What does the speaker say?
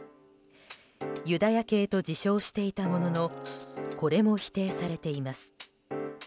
ユダヤ系と自称していたもののこれも否定されています。